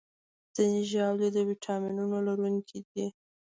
ځینې ژاولې د ویټامینونو لرونکي دي.